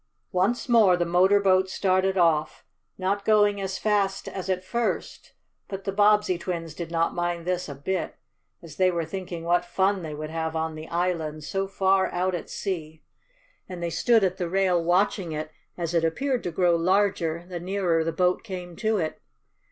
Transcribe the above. Once more the motor boat started off, not going as fast as at first, but the Bobbsey twins did not mind this a bit, as they were thinking what fun they would have on the island so far out at sea, and they stood at the rail watching it as it appeared to grow larger the nearer the boat came to it.